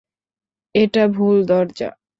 এটা ভুল দরজা!